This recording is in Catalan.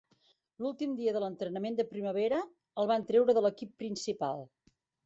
L'últim dia de l'entrenament de primavera el van treure de l'equip principal.